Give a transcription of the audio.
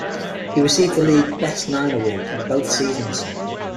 He received the league Best Nine Award in both seasons.